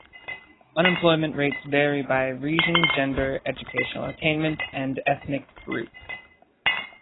Unemployment rates vary by region, gender, educational attainment, and ethnic group.